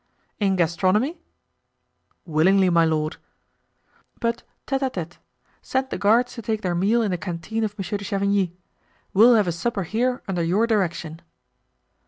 "In gastronomy?" "Willingly, my lord." "But tete a tete. Send the guards to take their meal in the canteen of Monsieur de Chavigny; we'll have a supper here under your direction."